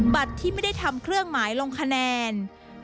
ที่ไม่ได้ทำเครื่องหมายลงคะแนน